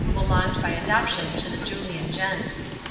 belonged, by adoption, to the Julian gens.